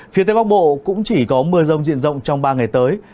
phía tây bắc bộ cũng chỉ có mưa rông diện rộng trong ba ngày tới